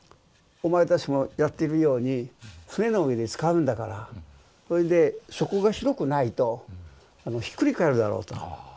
お前たちもやってるように船の上で使うんだからそれで底が広くないとひっくり返るだろうと。